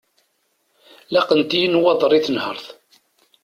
Laqent-iyi nnwaḍer i tenhert.